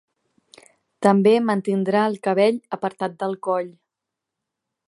També mantindrà el cabell apartat del coll.